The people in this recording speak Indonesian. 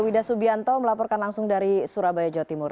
wida subianto melaporkan langsung dari surabaya jawa timur